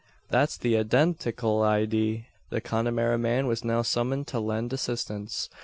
That's the eydentikul eyedee." The Connemara man was now summoned to lend assistance.